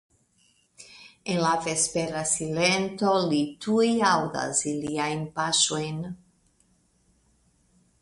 En la vespera silento li tuj aŭdas iliajn paŝojn.